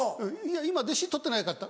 「今弟子とってないから」。